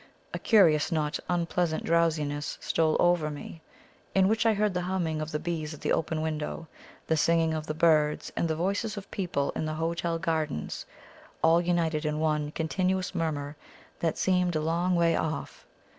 A curious yet not unpleasant drowsiness stole over me, in which I heard the humming of the bees at the open window, the singing of the birds, and the voices of people in the hotel gardens, all united in one continuous murmur that seemed a long way off.